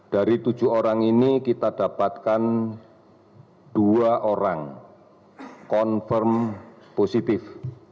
dari tujuh orang ini kita dapatkan dua orang confirm positif